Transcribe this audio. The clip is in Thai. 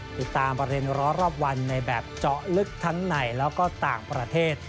ติดตามประเด็นร้อนรอบวันในแบบเจาะลึกทั้งในแล้วก็ต่างประเทศ